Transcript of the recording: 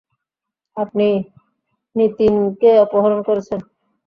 আপনি নিতিনকে অপহরণ করেছেন!